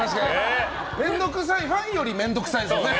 面倒くさいファンより面倒くさいですよね。